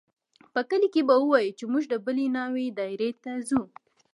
په کلي کښې به ووايو چې موږ د بلې ناوې دايرې ته ځو.